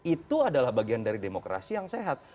itu adalah bagian dari demokrasi yang sehat